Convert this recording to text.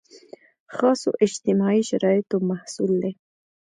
خاصو اجتماعي شرایطو محصول دی.